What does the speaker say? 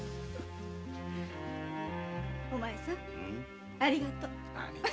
お前さんありがとう。